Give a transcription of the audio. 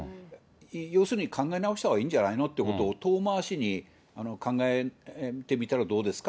要するに考え直したほうがいいんじゃないのっていうことを、遠回しに、考えてみたらどうですか？